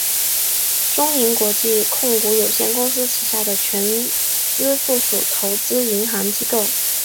中银国际控股有限公司旗下的全资附属投资银行机构。